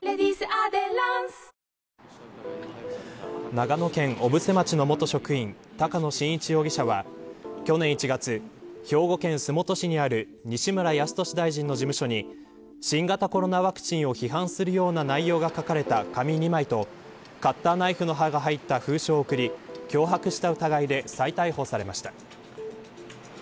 長野県小布施町の元職員高野伸一容疑者は去年１月、兵庫県洲本市にある西村康稔大臣の事務所に新型コロナワクチンを批判するような内容が書かれた紙２枚とカッターナイフの刃が入った封書を送り脅迫した疑いで再逮捕されました。